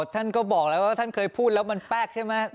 ท่านก็บอกแล้วว่าท่านเคยพูดแล้วมันแปลกใช่ไหม